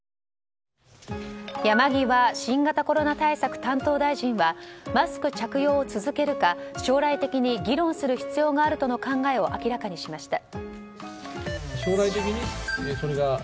山際新型コロナ対策担当大臣はマスク着用を続けるか将来的に議論する必要があるとの考えを明らかにしました。